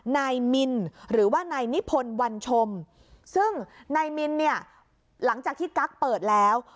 นายมินหรือว่านายนิพนธ์วันชมซึ่งนายมินเนี่ยหลังจากที่กั๊กเปิดแล้ว